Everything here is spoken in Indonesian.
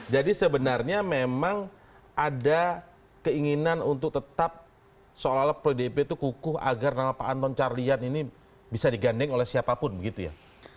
sebenarnya memang ada keinginan untuk tetap seolah olah pdip itu kukuh agar nama pak anton carlian ini bisa digandeng oleh siapapun begitu ya